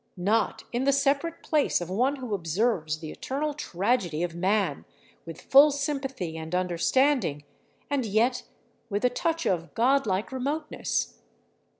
Not in the separate place of one who observes the eternal tragedy of man with full sympathy and understanding, and yet with a touch of godlike remoteness.